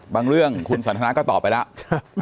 บางเรื่องคุณสันถนะก็ตอบไปล่ะใช่